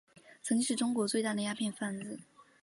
曾经是中国最大的鸦片贩子。